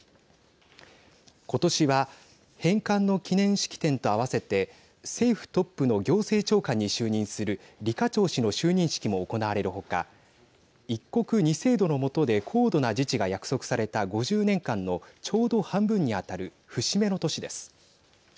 ことしは返還の記念式典と合わせて政府トップの行政長官に就任する李家超氏の就任式も行われるほか一国二制度の下で高度な自治が約束された５０年間のちょうど半分に当たる節目の年です。